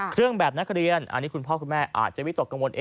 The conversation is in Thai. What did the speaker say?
เครื่องแบบนักเรียนอันนี้คุณพ่อคุณแม่อาจจะวิตกกังวล